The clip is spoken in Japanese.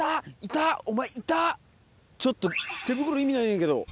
ちょっと手袋意味ないねんけど。